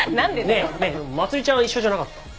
ねえねえまつりちゃんは一緒じゃなかったの？